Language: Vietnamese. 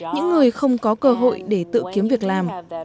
những người không có cơ hội để tự kiếm việc làm